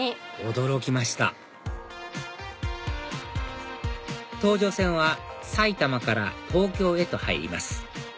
驚きました東上線は埼玉から東京へと入ります